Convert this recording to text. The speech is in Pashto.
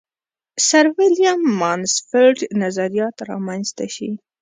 سرویلیم مانسفیلډ نظریات را منځته شي.